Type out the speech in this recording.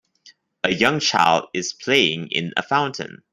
A young child is playing in a fountain.